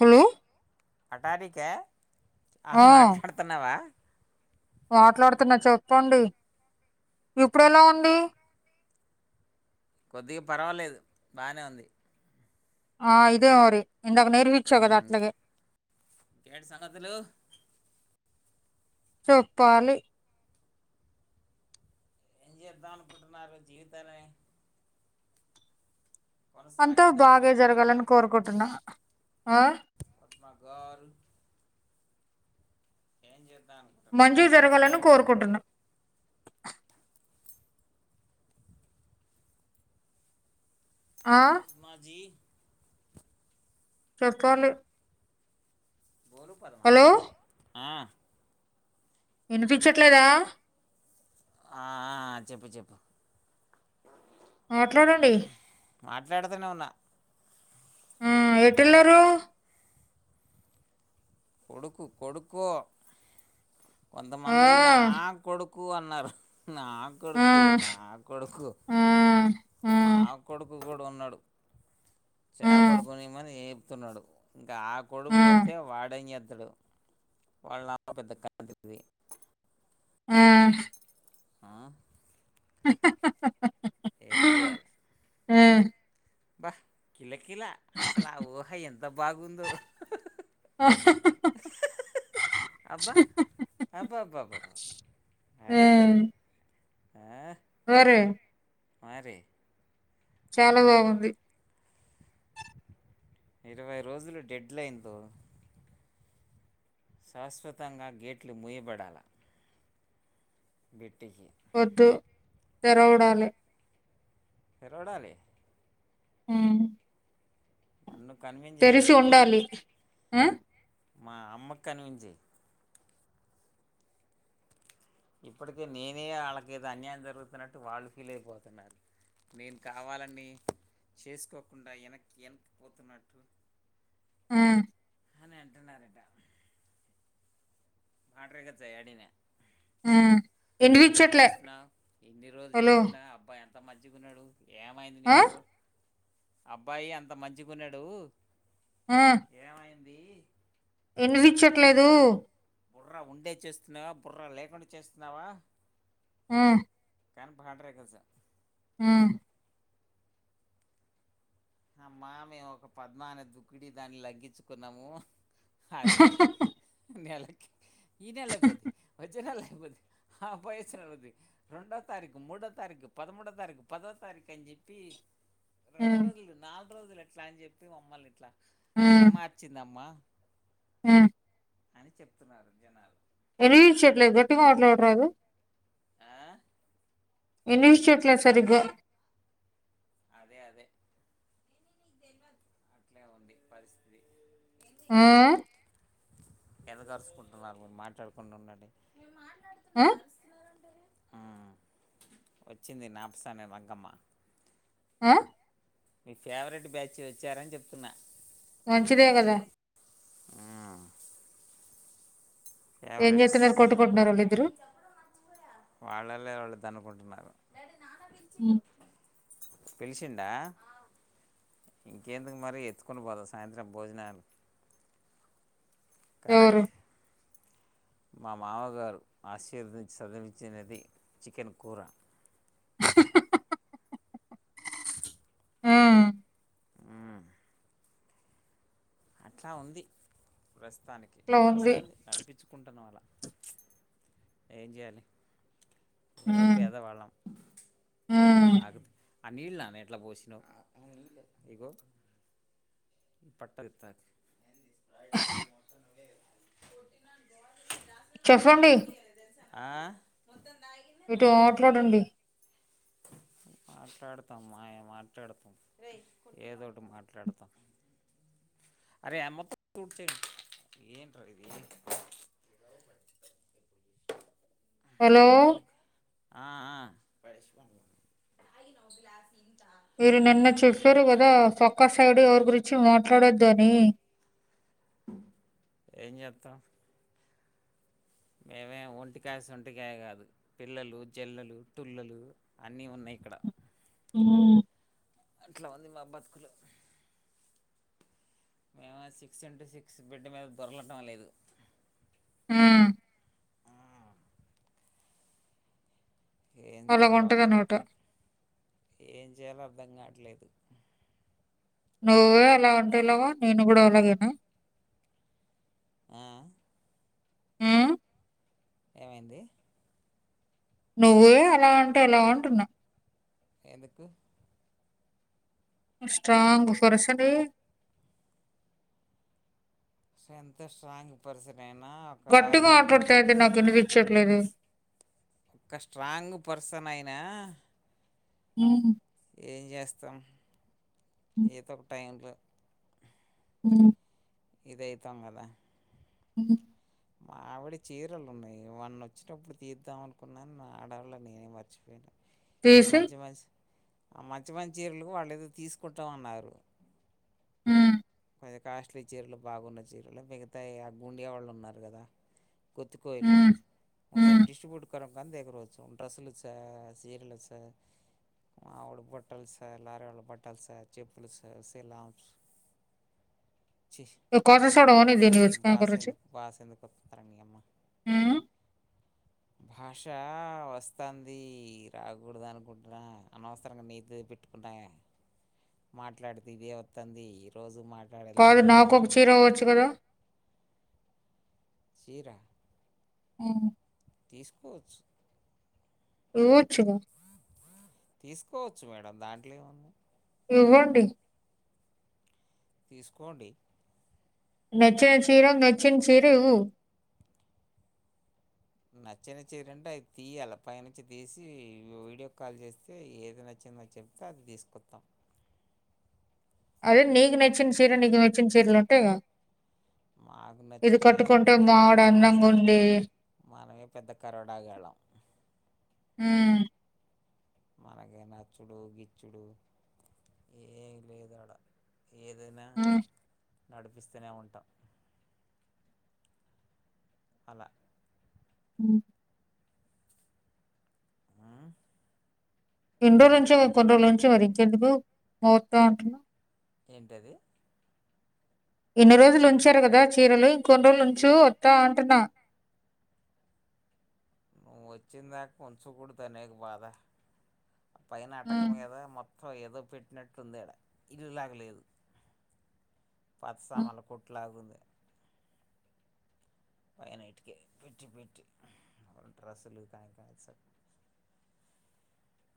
Hello అఠారిక ఆ ఆహా మాట్లాడుతున్నావా మాట్లాడుతున్నా చెప్పండి ఇప్పుడు ఎలా ఉంది కొద్దిగా పర్వాలేదు బానే ఉంది ఆ ఇదే మరి ఎందాక నేర్పించవు కదా ఉమ్, అట్లాగే ఇంకేంటి సంగతులు చెప్పాలి ఏం చేద్దాం అనుకుంటున్నారు జీవితాన్ని అంతా కొనసాగిద్దాం బాగే అనుకుంటున్నారా జరగాలని కోరుకుంటున్నా ఆ ఆ పద్మ గారు ఏం చె మంచిగ జరగాలని కోరుకుంటున్నా ఆ మాజీ చెపాలి బోలు పద్మా ఆ వినిపించట్లేదా ఆ ఆ చెప్పు చెప్పు మాట్లాడండి మాట్లాడుతూనే ఉన్నా ఆ అతియేలరు కొడుకు కొడుకు ఆ కొంతమంది నా కొడు కు అన్నారు నా ఆ కొడుకు నా కొడుకు ఆ ఆ ఆ మా కొడుకు కూ ఉన్నాడు చేపలు కొనిమని ఏపుతున్నాడు ఆ కొడుకు వస్తతే వా పనిద్దడు వాళ్ళ పెద్ద కంత్రిది ఆ ఆ హహ ఏం చెయాలి. ఆ అబ్బ కిల కిల అసలు ఆ ఊహ ఎంత బాగుందో. ఆహా హా అబ్బా అబ్బబ్బ అరెరే. ఆ అరె మారే చాలా బాగుంది. ఇరవై రోజులు డెడ్ లైన్తో శాశ్వతంగా గేట్లు ముూయబడాల వెట్టికి వద్దు తెరవడాలే. తెరవాడాలే ఉమ్ నన్ను కన్విన్స్ తెరిసి చేయగలిగితే ఉండాలి ఆ మా అమ్మకు కనిపించేయి. ఇప్పటికే నేనే వాళ్ళకి ఏదో అన్యాయం జరుగుతున్నట్టు వాళ్ళు ఫీల్ అయిపోతున్నారు. నేను కావాలని చేసుకోకుండా వెనక్ వెనక్ పోతున్నట్టు. ఆ అని అంటున్నారట. మ్యాటర్ గచ్చా ఆడిన ఆ నువ్వ ఏం ఇనిపించట్లే. చేస్తున్నావు ఇన్ని రోజులు హలో! చేయకుండా అబ్బాయి ఎంత మంచికున్నాడు. ఏమైంది ఆ! నీకు అబ్బాయి అంత మంచిగా గున్నాడు. ఆ [inaudible] నువ్వేం ఇనివిచ్చట్లేదు. చేస్తున్నావు బుర్ర ఉండే చేస్తున్నావా బుర్రా లేకుండా చేస్తున్నావా. ఆ కానీ పాడ్రే కసా [unintelligible] ఆ అమ్మా మేము ఒక పద్మా అనే దుక్కుడి దాన్ని లగ్గించుకున్నాము. అది నెలకి ఈ నెల అయిపోద్ది వచ్చే నెల అయిపోద్ది. ఆ పై వచ్చే నెల అయిపోద్ది. రెండో తారీకు, మూడో తారీఖు, పదమూడో తారీఖు, పదో తారీఖు అని చెప్పి రెండు హ్మ్. రోజులు నాలుగు రోజులు ఎట్లా అని చెప్పి మమ్మల్ని ఇట్లా ఏ మార్చింద అమ్మా. ఆ అని చెప్తున్నారు జనాలు. వినిపించట్లేదు గట్టిగా మాట్లాడరాదు. ఆ వినిపించట్లేదు సరిగా. అదే అదే అట్లే ఉంది పరిస్థితి. ఆ ఎందుకు అరుసుకుంటున్నారు మీరు మాట్లాడుకుండా ఉండండి. ఆ మాట్లాడుతున్నాం అరుస్తున్నారంటారు మ్మ్ వచ్చింది నర్స్ అనే రంగమ్మ ఆ మీ ఫేవరెట్ బ్యాచ్ వచ్చారని చెప్తున్నా వంచిదేగదా మ్మ్ ఏం ఫేవరెట్స్ చేస్తున్నారు కొట్టుకుంటున్నారా డాడీ మీరిద్దరూ తన్నుకుంటున్నారు హ్మ్. పిలిసిండా ఇంకేందుకు మరి ఎత్తుకుని పోదాం సాయంత్రం భోజనానికి ఎవరు? కరెక్ట్ మా మామగారు ఆశీర్వదించి చదివించినది చికెన్ కూర మ్మ్ మ్మ్ అట్లా ఉంది ప్రస్తుతానికి ఇట్లా ఉంది. నడుస్తుంది. నడిపించుకుంటున్నం ప్చ్ ఏం చేయాలి ఏదో హ్మ్. పేదవాళ్ళం హ్మ్. మాకు ఆ నీళ్ళు నాన్న ఇట్లా పోసిన ఇగో బట్టలతో చెప్పండి ఆ మీతో మాట్లాడండి మాట్లాడతా అమ్మా ఇగ మాట్లాడతా ఏదో ఒకటి మాట్లాడతా అరే అమ్మ చూత్తాది ఏట్రా ఇది హలో ఎందుకు ఆ ఆ మీరు నిన్న చెప్పారు కదా పక్క సైడ్ ఎవరు గురించి మట్లా డద్దు అని ఏం చెత్తమ్ మేమేం ఒంటికాయ సొంటికాయ కాదు పిల్లలు జల్లలు తళ్లులు అన్ని ఉన్నాయి ఇక్కడ మ్మ్ హ్ అట్లా ఉంది మా బతుకులు మేమేం సిక్స్ ఇంటూ సిక్స్ బెడ్ మీద దొర్లటం లేదు మ్మ్ ఏం అలాగ చేయలో ఉంటది అర్థంగాలే అనమాట ఏం చేయాలో అర్థం కావట్లేదు నువ్వే అలా అంటే ఏలాగా నేను కూడా అలాగేనా మ్మ్ హ్ మ్మ్ ఏమైంది నువ్వే అలా అంటే ఎలా అంటున్న ఎందుకు స్ట్రాంగ్ పర్సన్ నువ్వు స్ట్రెంత్ స్ట్రాంగ్ పరిస్థితి గట్టిగా మాట్లాడితే అది నాకు వినిపిచ్చట్లేదు ఒక స్ట్రాంగ్ పర్సన్ అయినా మ్మ్ హ్హ్ ఏం చేస్తాం ఏదో ఒక టైంలో మ్మ్ ఇదయితాం కదా అ మా ఆవిడ చీరలు ఉన్నాయి వాన్ను వచ్చినప్పుడు తీద్దాం అనుకున్నాను నా ఆడవాళ్ళ నేనే మర్చిపోయాను ఆ తీసి మాజే మాధ ఆ మంచి మంచిరులకు వాళ్ళు ఏదో తీసుకుంటామన్నారు ఉమ్, కొంచెం కాస్ట్లీ చీరలు బాగున్న చీరలు మిగతా అగ్గుండేవాళ్ళు ఉన్నారు కదా కొత్తి కోయలు ఉమ్, ఉమ్. ఉందేని డిస్ట్రిబ్యూట్ ఎక్కరం కానీ ఎగ్గరవచ్చు డ్రస్సులు సా సీరియల్ సా మావోడి బట్టలు ఆరాలి. బట్టలు, చెప్పులు సెలామ్స్ ఏ కాదు అమ్ చూడవని దీని ఈ వచ్చి బాస ఎందుకు బాస ఎందుకు వస్తుతార న అమ్మ భాష వస్తుంది రాకూడదు అనుకుంటున్నా అనవసరంగా నీది పెట్టుకుంట మాట్లాడుతే ఇదే వతుంది ఈ రోజు మాట్ కాదు నాక ఒకక చీర అవ్వచ్చు కదా చరా ఆ తీసుకోవచ్చు చ్చ తీసుకోవచ్చు మేడం దాంట్లో ఏమున్నా ఇగోండి తీసుకోండి నెచ్చిన చీర మెచ్చిన చీర ఇ నచ్చ నచ్చేదింటే అది తీయ అలా పైనుంచి తీసి వీడియో కాల్ చేస్తే ఏది నచ్చి చిన్న చెప్తే అది తీసుకొస్తాం అదే నీకు నచ్చిన సీర నీకు నచ్చిన సీరలు ఉంటే మాకు ఇది నచ్చితే ఏమిటి కట్టుకుంటేం మావిడ మనం అందంంగా అసలే ఉండి మనమే పెద్ద కరోడాగళం హ మనకి నచ్చుడు గిచ్చుడు ఏ లేదడ ఏదైనా ఉమ్, నడిపిస్తూనే ఉంటాం అలా అ ఉమ్ ఇండోర్ నుంచిప్పండో నుంచి వరించెం బ మూర్త అంటున్నా ఏంటది ఇన్ని రోజులు ఉంచారు కదా చీరలు ఇంకొన్ని రోజులుంచు వత్తా అంటున్నా నువ్వు వచ్చిన దాకా ఉంచకూడదు అనేక బాధ ఆ పైన అటకం ఉమ్, మీదా మొత్తం ఏదో పెట్టినట్టుందిడ ఇల్లులాగ లేదు ఉమ్, పత్సమాలు కొట్లాగుంది పైన ఇటికే పెట్టి పెట్టి డ్రస్సులు కాయ కాయ స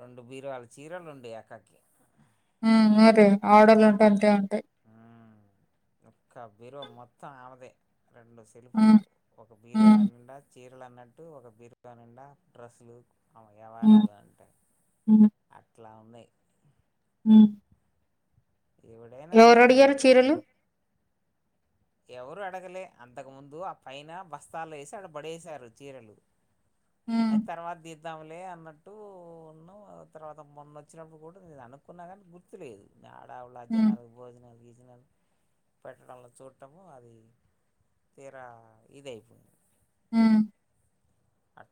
రెండు బీరువలు చీరలు ఉండే అక్కకి ఆ మర ఆడలుంటే అంతే ఉంటాయి ఒక్క బరువ మొత్తం ఆమెదే రెండు సెల్పులు ఉమ్, ఒక బీరో ఉమ్, నించ్చ చీరలు అన్నట్టు ఒక బిర్గా నిండా డ్రస్సు లు ఉమ్, వ్యవహారాలు అంటే అట్లా ఉన్నాయి ఆ ఎవడైనా ఎవరు అంతే అడిగారు చీరలు ఎవరూ అడగలే అంతకుముందు ఆ పైన బస్తాల్లో వేసి అడబడేశారు చీరలు ఉమ్, అయితే తర్వాత ద వద్దాములే అన్నట్టు ఉన్నా తర్వాత మొన్న వచ్చినప్పుడు కూడా నేను అనుక్కున్నా కానీ గుర్తు లేదు ఆడాళ్లు ఉమ్, అజ్యనాలు భోజనాలు గిజనలు పెట్టడంలో చు చట్టమో అది తీరా ఇదయిపోయింది ఉమ్ ఆ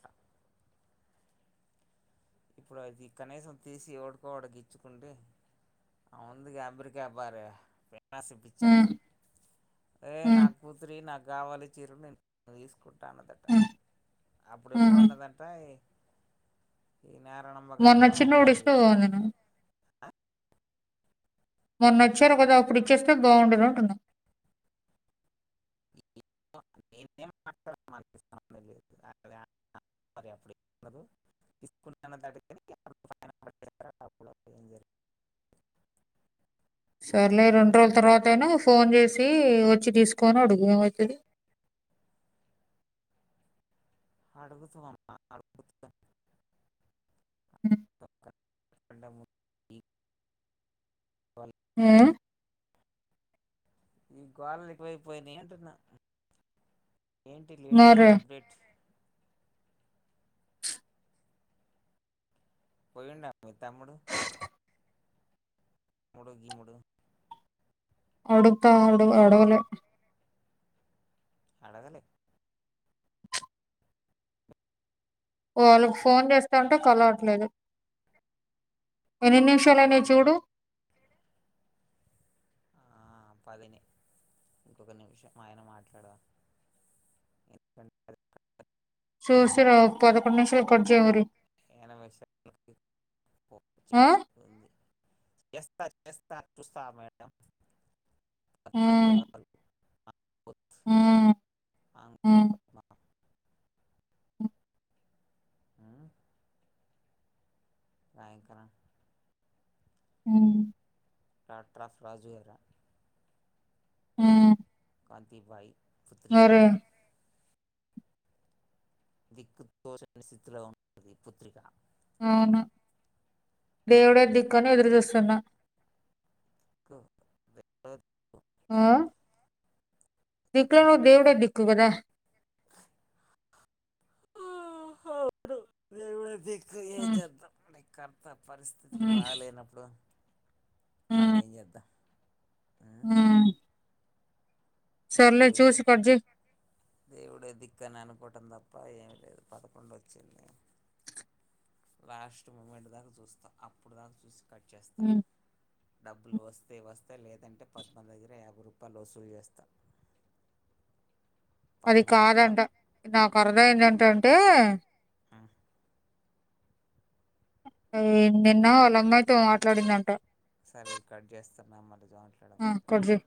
ఇప్పుడు అది కనీసం తీసి డుకోవడికిచ్చుకుంటే ఆ వుంధి గా అంబ్రికా అబారు సిప్పించమ్మా ఉమ్, ఏ ఉమ్, నాకు కూతురి నాకు కావాలి చీర నేను తీసుకుంటా అ అన్నదట ఉమ్, అప్పుడు ఎప్పుడు ఉమ్. ఉన్నదంట ఈ నారాయణమ్మ మొన్న గారు చిన్నోడు మరి ఇస్తే సరహ బాగుంది ఆ మొన్న వచ్చిరు కదా అప్పుడు ఇస్తే బాగుండది అంటున్నా ఈ నేనెం మాట్లాడాను అనిపిస్తోంది మరే అప్పుడు ఉండదు తీసుకు అప్పుడు అప్పుడు సరేలేదు రెండు రోజుల తర్వాత అయినా ఫోన్ చేసి వచ్చి తీసుకని అడుగు ఏమవుతుంది అడుగుతు అడుగు కంద్ము ఈ కందము ఈ హా ఈ గోళలు ఎకువైపోయినా అంటున్నా ఏంటి లేటెస్ట్ మరి అప్డేట్ పోయి ఉంటాత్తామ్ముడు మూడోగి మూడు అడుతా అడు అడగల అడగలే వాళ్ళకి ఫోన్ చేస్తాంటే కలవట్లేదు ఎన్ని నిమిషాలూ అయినయ్ చూడు మారిపోయా ఆ పదినిక నిమిషం ఆయన మాట్లాడద ఇక్కడాడ థా సూసర పదక నిషల్ కడ్జవరి నష ఆ? చేస్తుంది ఎస్తా ఎస్తా చూస్తా మేడం ఉమ్ వాత్ అమె ఉం, ఉమ్ ర్రాయంక ఉమ్ డట్రాఫ రాజువరా ఉమ్ కాంతీభాయ్ పుత్రిక దిక్కు తోచని స్థితిలో ఉంటది పుత్రిక అవును దేవుడే దిక్కని ఎదురుచస్తున్నా దిక్కు దేవుడే దిక్కు ఆ ధికులే ను ధేవుడే దికు కదా హువు అవును దేవుడే దిక్కు ఏం ఉం, చేద్దాం నీ కర్తా పరిస్థితులు ఉం, బాలేనప్పుడు మనం ఏం చేద్దాం ఉమ్ దేవుడే చేయి దేవుడే దిక్క న అను ఇకోటం తప్ప ఏమి లేదు పదకొండు వచ్చింది లాస్ట్ మూమెంట్ దాకా చూస్తా అప్పుడు దాకా చూస్త కట్ చేస్తా ఉం. డబ్బులు వస్తే వస్ లేదంటే పద్నాలుగు దగ్గర యాభై రూపాయలు వసూలు చేస్తా అవి పద్మ ఎట్లా కాదంట నాకు అరుదైయిందేంటంటే నువ్వేం తిన్న వాళ్ళమ్మాయితో మాట్లాడిందంట సరే ఇది కట్ చేస్తన్నా మళ్ళి ఆ కట్ చెయి